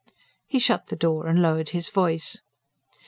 He shut the door and lowered his voice.